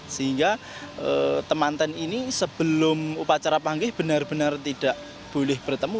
sehingga temanten ini sebelum upacara panggih benar benar tidak boleh bertemu